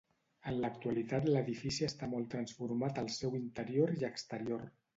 En l'actualitat l'edifici està molt transformat al seu interior i exterior.